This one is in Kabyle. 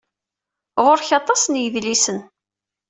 Ɣer-k aṭas n yedlisen.